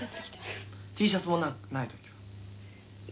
「Ｔシャツもないときは？」